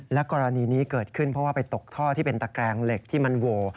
และกรณีนี้เกิดขึ้นเพราะว่าไปตกท่อที่เป็นตะแกรงเหล็กที่มันโหว